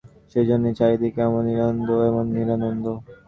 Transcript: সেইজন্যই চারি দিকে এমন নিরানন্দ, এমন নিরানন্দ!